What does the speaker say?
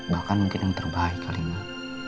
bahkan mungkin yang terbaik kali mbak